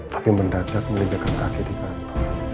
tapi mendadak meledakkan kaki di kantor